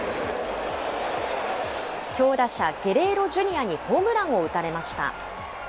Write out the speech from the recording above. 強打者、ゲレーロＪｒ．にホームランを打たれました。